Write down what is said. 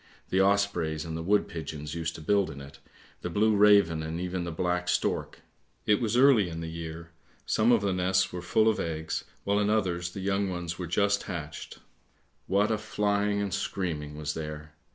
The ospreys and the wood pigeons used to build in it, the blue raven and even the black stork! It was early in the year, some of the nests were full of eggs, while in others the young ones were just hatched. What a flying and screaming was there!